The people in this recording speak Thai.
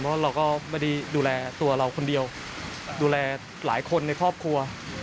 เพราะเราก็ไม่ได้ดูแลตัวเราคนเดียวดูแลหลายคนในครอบครัว